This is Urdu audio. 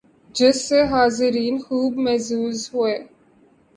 جس سے حاضرین خوب محظوظ ہوئے